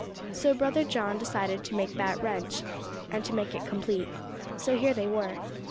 So Brother John decided to make that wrench, and to make it complete. So here they were.